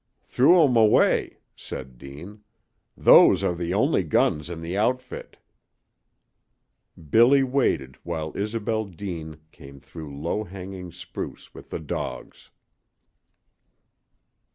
"Threw 'em away," said Deane. "Those are the only guns in the outfit." Billy waited while Isobel Deane came through low hanging spruce with the dogs.